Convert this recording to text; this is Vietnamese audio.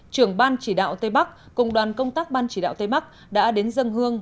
trưởng ban chỉ đạo tây bắc cùng đoàn công tác ban chỉ đạo tây bắc đã đến dân hương